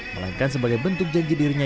melainkan sebagai bentuk janji dirinya